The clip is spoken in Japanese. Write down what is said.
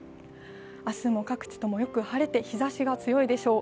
明日も各地ともよく晴れて日ざしが強いでしょう。